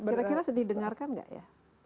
kira kira didengarkan nggak ya